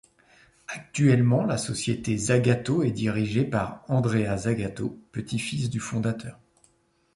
Actuellement la société Zagato est dirigée par Andrea Zagato, petit-fils du fondateur.